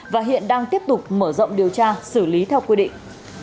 và hiện đang tiếp tục mở rộng điều tra xử lý theo quy định